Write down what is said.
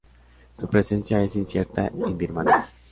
Su presencia es incierta en Birmania.